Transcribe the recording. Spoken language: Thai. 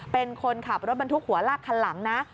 เป็นคนขับรถบรรทุกหัวลากคันหลังนะ